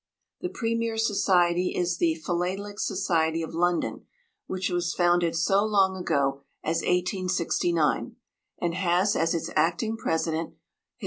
The premier society is the Philatelic Society of London, which was founded so long ago as 1869, and has as its acting President H.R.